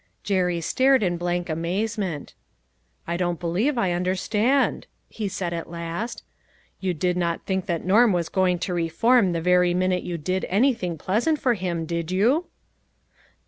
Je'rry stared in blank astonishment. "I don't believe I understand," he said at last. " You did not think that Norm was going to re form the very minute you did anything pleasant for him, did you?"